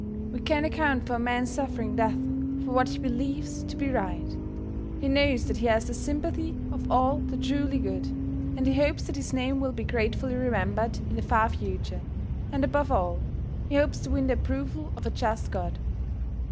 We can account for a man suffering death for what he believes to be right. He knows that he has the sympathy of all the truly good, and he hopes that his name will be gratefully remembered in the far future, and above all, he hopes to win the approval of a just God.